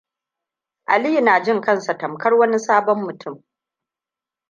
Aliyu na jin kansa tamkar wani sabon mutum.